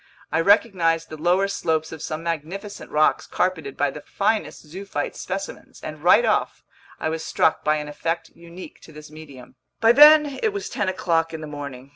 I recognized the lower slopes of some magnificent rocks carpeted by the finest zoophyte specimens, and right off, I was struck by an effect unique to this medium. By then it was ten o'clock in the morning.